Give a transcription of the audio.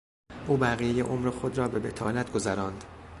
او بقیهی عمر خود را به بطالت گذراند.